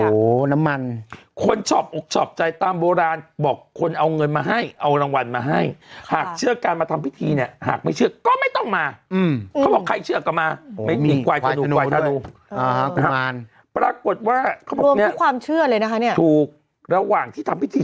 ว่าเขาบอกเนี่ยรวมทุกความเชื่อเลยนะคะเนี่ยถูกระหว่างที่ทำพิธี